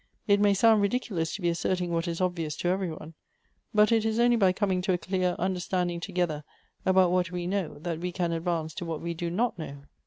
It may sound ridiculous to be asserting what is obvious to every one ; but it is only by coming to a clear understanding together about what we know, that we can advance to what we do not know."